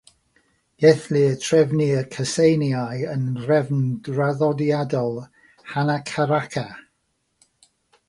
Gellir trefnu'r cyseiniau yn nhrefn draddodiadol “hanacaraka”.